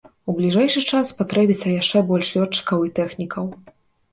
У бліжэйшы час спатрэбіцца яшчэ больш лётчыкаў і тэхнікаў.